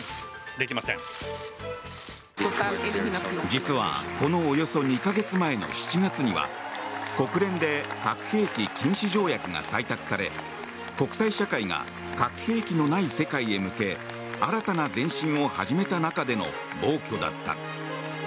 実は、このおよそ２か月前の７月には国連で核兵器禁止条約が採択され国際社会が核兵器のない世界へ向け新たな前進を始めた中での暴挙だった。